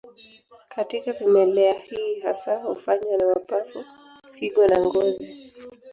Katika vimelea hii hasa hufanywa na mapafu, figo na ngozi.